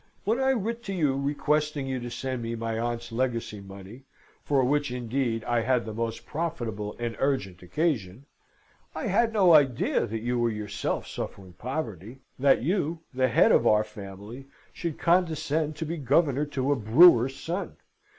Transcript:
"When I writ to you requesting you to send me my aunt's legacy money, for which indeed I had the most profitable and urgent occasion, I had no idea that you were yourself suffering poverty. That you, the head of our family, should condescend to be governor to a brewer's son!